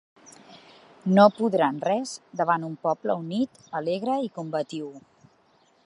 No podran res davant un poble unit, alegre i combatiu.